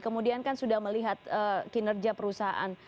kemudian kan sudah melihat kinerja perusahaan